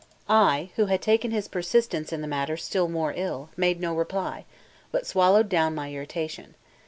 I, who had taken his persistence in the matter still more ill, made no reply, but swallowed down my irritation.